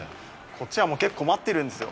こっちはもう結構待ってるんですよ。